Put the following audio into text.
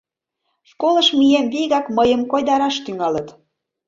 Школыш мием, вигак мыйым койдараш тӱҥалыт: